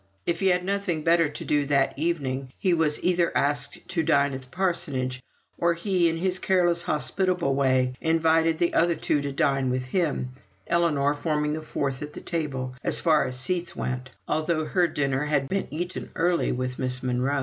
If he had nothing better to do that evening, he was either asked to dine at the parsonage, or he, in his careless hospitable way, invited the other two to dine with him, Ellinor forming the fourth at table, as far as seats went, although her dinner had been eaten early with Miss Monro.